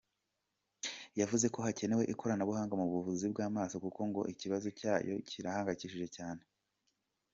Yavuze ko hakenewe ikoranabuhanga mu buvuzi bw’amaso kuko ngo ikibazo cyayo kirahangayikishije cyane.